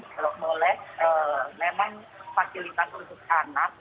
kalau boleh memang fasilitas untuk anak